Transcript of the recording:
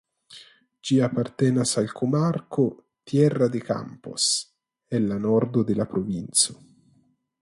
Ĝi apartenas al komarko "Tierra de Campos" en la nordo de la provinco.